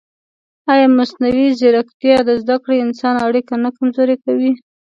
ایا مصنوعي ځیرکتیا د زده کړې انساني اړیکه نه کمزورې کوي؟